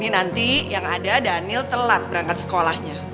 nanti yang ada daniel telak berangkat sekolahnya